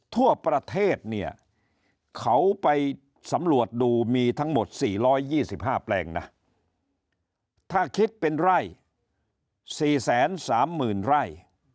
ทั่วประเทศเนี่ยเขาไปสำรวจดูมีทั้งหมด๔๒๕แปลงนะถ้าคิดเป็นไร่๔๓๐๐๐ไร่